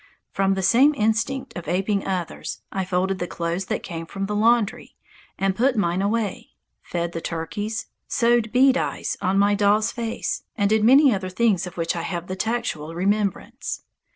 From the same instinct of aping others, I folded the clothes that came from the laundry, and put mine away, fed the turkeys, sewed bead eyes on my doll's face, and did many other things of which I have the tactual remembrance.